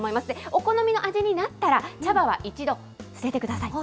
お好みの味になったら、茶葉は一度、捨ててください。